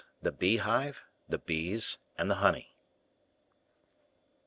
The Bee Hive, the Bees, and the Honey.